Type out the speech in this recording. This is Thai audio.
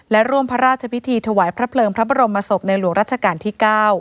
และร่วมพระราชพิธีถวายพระเพลิงพระบรมศพในหลวงรัชกาลที่๙